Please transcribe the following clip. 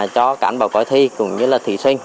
cho cán bộ quay thi cũng như thí sinh